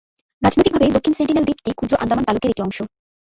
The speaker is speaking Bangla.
রাজনৈতিকভাবে, দক্ষিণ সেন্টিনেল দ্বীপটি ক্ষুদ্র আন্দামান তালুকের একটি অংশ।